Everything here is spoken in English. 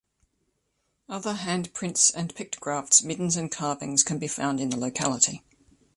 Other hand prints, and pictographs, middens and carvings can be found in the locality.